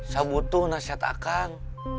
saya butuh nasihat akan